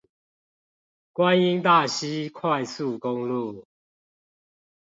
觀音大溪快速公路